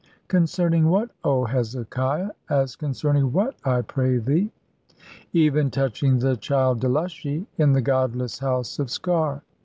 "Concerning what, old Hezekiah? As concerning what, I pray thee?" "Even touching the child Delushy, in the godless house of Sker.